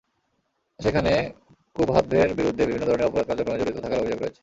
সেখানে কুভাতভের বিরুদ্ধে বিভিন্ন ধরনের অপরাধ কার্যক্রমে জড়িত থাকার অভিযোগ রয়েছ।